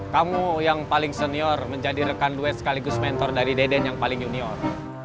kamu yang paling senior menjadi rekan duet sekaligus mentor dari deden yang paling junior